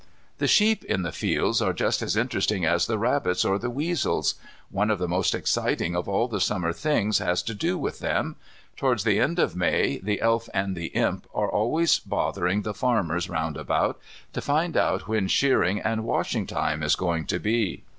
The sheep in the fields are just as interesting as the rabbits or the weasels. One of the most exciting of all the Summer things has to do with them. Towards the end of May the Elf and the Imp are always bothering the farmers round about, to find out when shearing and washing time is going to be.